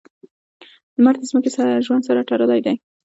• لمر د ځمکې ژوند سره تړلی دی.